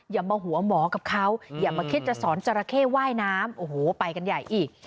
อย่ามาหัวหมอกับเขาอย่ามาคิดจะสอนจราเข้ว่ายน้ำโอ้โหไปกันใหญ่อีก